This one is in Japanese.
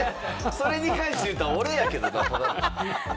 それに関して言ったら、俺やけどな。